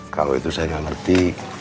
kalau itu saya nggak ngerti